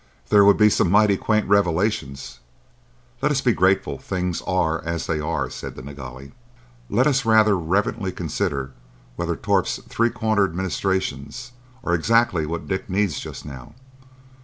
"There would be some mighty quaint revelations. Let us be grateful things are as they are," said the Nilghai. "Let us rather reverently consider whether Torp's three cornered ministrations are exactly what Dick needs just now.